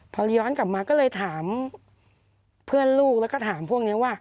พอย้อนกลับมาก็เลยถามเพื่อนลูกแล้วก็ถามพวกนี้ว่า